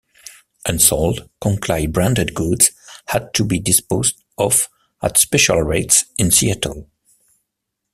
Unsold, Klondike-branded goods had to be disposed of at special rates in Seattle.